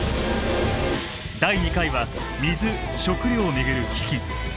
第２回は水・食料を巡る危機。